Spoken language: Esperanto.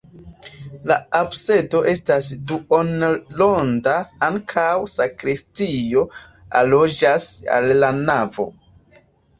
La absido estas duonronda, ankaŭ sakristio aliĝas al la navo.